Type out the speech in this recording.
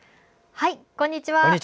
こんにちは。